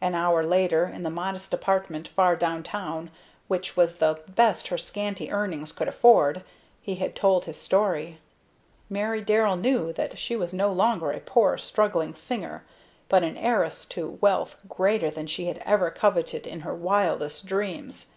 An hour later, in the modest apartment far downtown, which was the best her scanty earnings could afford, he had told his story. Mary Darrell knew that she was no longer a poor, struggling singer, but an heiress to wealth greater than she had ever coveted in her wildest dreams.